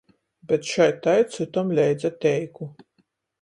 Bet šai tai cytom leidza teiku.